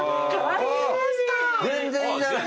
全然いいじゃない！